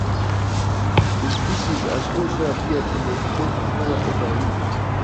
The species has also appeared in the folklore of the region.